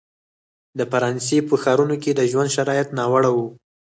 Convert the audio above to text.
د فرانسې په ښارونو کې د ژوند شرایط ناوړه وو.